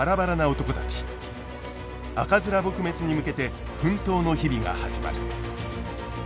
赤面撲滅に向けて奮闘の日々が始まる。